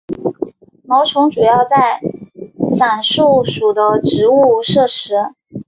毛虫主要在伞树属的植物摄食。